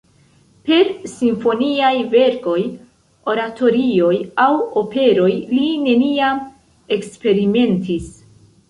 Per simfoniaj verkoj, oratorioj aŭ operoj li neniam eksperimentis.